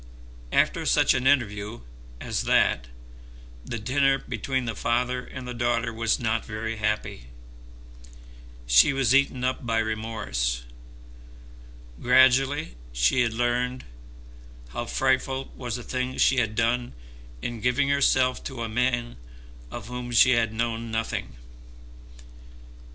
After such an interview as that the dinner between the father and the daughter was not very happy. She was eaten up by remorse. Gradually she had learned how frightful was the thing she had done in giving herself to a man of whom she had known nothing.